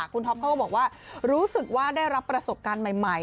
คุณท็อปเขาก็บอกว่ารู้สึกว่าได้รับประสบการณ์ใหม่